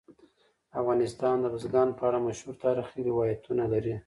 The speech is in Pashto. افغانستان د بزګان په اړه مشهور تاریخی روایتونه لري.